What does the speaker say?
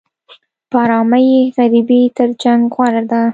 په ارامۍ کې غریبي تر جنګ غوره ده.